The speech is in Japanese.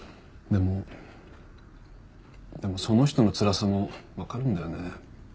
でもその人のつらさもわかるんだよね。